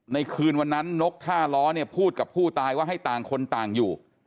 ในคืนวันนั้นนกท่าล้อเนี่ยพูดกับผู้ตายว่าให้ต่างคนต่างอยู่